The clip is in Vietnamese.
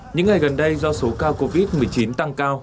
những ngày gần đây do số ca covid một mươi chín tăng cao